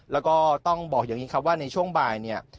แล้วก็ต้องบอกอย่างนี้ครับว่าในช่วงบ่ายเนี่ย